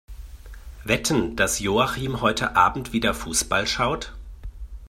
Wetten, dass Joachim heute Abend wieder Fussball schaut?